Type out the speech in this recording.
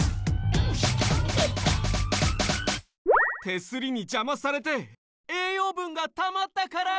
手すりにじゃまされて栄養ぶんがたまったから！